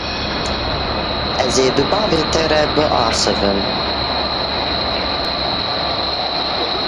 Ez ê bi bavê te re biaxivim.